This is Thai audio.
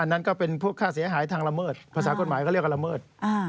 นั่นก็เป็นพวกค่าเสียหายทางละเมิดภาษากฎหมายก็เรียกว่าละเมิด